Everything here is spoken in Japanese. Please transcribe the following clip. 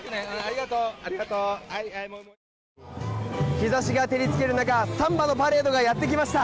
日差しが照りつける中サンバのパレードがやってきました。